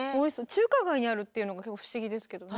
中華街にあるっていうのが不思議ですけどね。